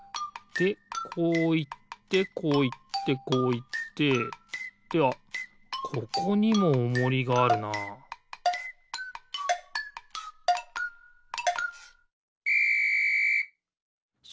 でこういってこういってこういってではここにもおもりがあるなピッ！